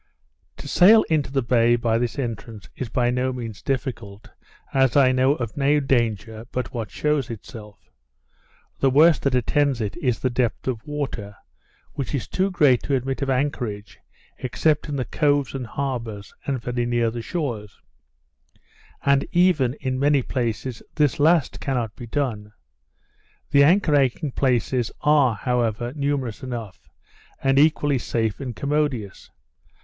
To sail into the bay by this entrance is by no means difficult, as I know of no danger but what shews itself. The worst that attends it, is the depth of water, which is too great to admit of anchorage, except in the coves and harbours, and very near the shores; and even, in many places, this last cannot be done. The anchoring places are, however, numerous enough, and equally safe and commodious.